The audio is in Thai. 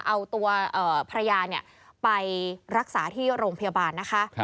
เอาตัวภรรยาไปรักษาที่โรงพยาบาลนะคะ